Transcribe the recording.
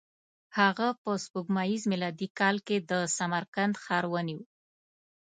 هغه په سپوږمیز میلادي کال کې د سمرقند ښار ونیو.